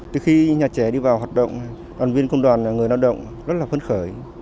từ khi nhà trẻ đi vào hoạt động đoàn viên công đoàn người lao động rất là phấn khởi